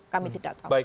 kami tidak tahu